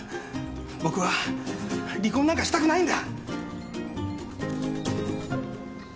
僕は離婚なんかしたくないんだ！